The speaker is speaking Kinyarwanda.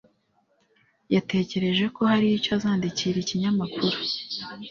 Yatekereje ko hari icyo azandikira ikinyamakuru.